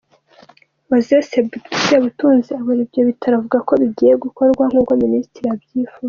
Osse Sebatunzi ayobora ibyo bitaro, avuga ko bigiye gukorwa nk’uko Minisitiri yabyifuje.